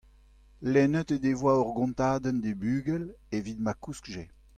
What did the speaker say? lennet he devoa ur gontadenn d'he bugel evit ma kouskje.